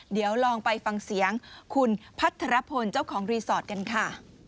เดี๋ยวลองไปฟังเสียงคุณพัทรพลเจ้าของรีสอร์ทกันค่ะ